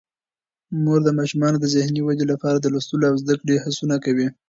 مور د ماشومانو د ذهني ودې لپاره د لوستلو او زده کړې هڅونه کوي.